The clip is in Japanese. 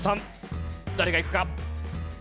誰がいくか？